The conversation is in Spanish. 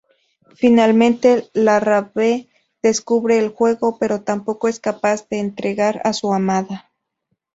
Finalmente Larrabee descubre el juego, pero tampoco es capaz de entregar a su amada.